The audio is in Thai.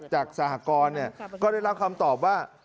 จากสหกรก็ได้รับคำตอบว่า